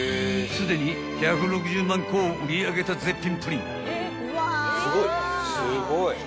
［すでに１６０万個を売り上げた絶品プリン］